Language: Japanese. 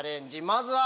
まずは。